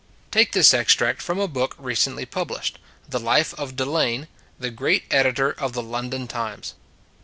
Take this extract from a book recently published the life of Delane, the great editor of the London " Times."